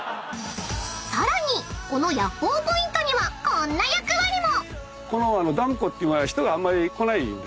［さらにこのヤッホーポイントにはこんな役割も］